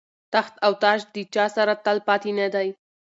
تخت او تاج د چا سره تل پاتې نه دی.